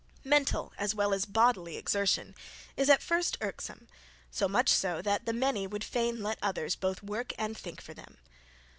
Mental as well as bodily exertion is, at first, irksome; so much so, that the many would fain let others both work and think for them.